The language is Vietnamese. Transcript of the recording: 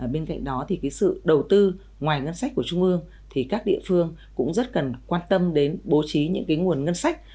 bên cạnh đó thì cái sự đầu tư ngoài ngân sách của trung ương thì các địa phương cũng rất cần quan tâm đến bố trí những cái nguồn ngân sách